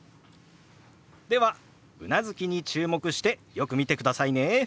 ではうなずきに注目してよく見てくださいね。